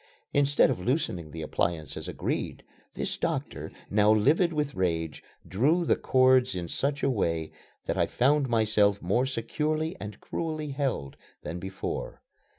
Instead of loosening the appliance as agreed, this doctor, now livid with rage, drew the cords in such a way that I found myself more securely and cruelly held than before.